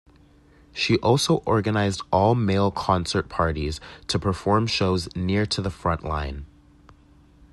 She also organized all-male concert parties to perform shows near to the front line.